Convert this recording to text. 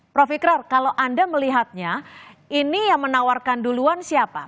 prof ikrar kalau anda melihatnya ini yang menawarkan duluan siapa